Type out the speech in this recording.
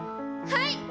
はい。